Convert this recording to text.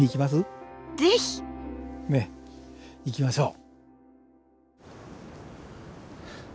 ぜひ！ねっ行きましょう。